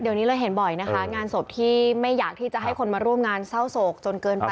เดี๋ยวนี้เลยเห็นบ่อยนะคะงานศพที่ไม่อยากที่จะให้คนมาร่วมงานเศร้าโศกจนเกินไป